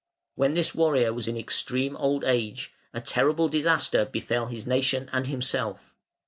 When this warrior was in extreme old age, a terrible disaster befell his nation and himself.